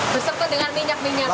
besok tuh dengan minyak minyaknya